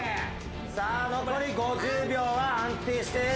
さあ残り５０秒は安定して。